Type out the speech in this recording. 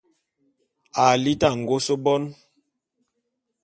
À liti angôs bone.